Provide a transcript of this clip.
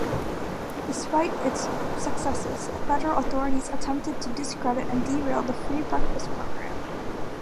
Despite its successes, Federal authorities attempted to discredit and derail the Free Breakfast Program.